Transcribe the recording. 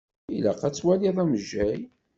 Ilaq ad twaliḍ amejjay.